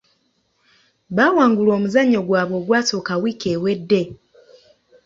Baawangulwa omuzannyo gwaabwe ogwasooka wiiki ewedde.